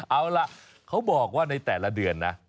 เอาล่ะเขาบอกว่าในแต่ละเดือนนะ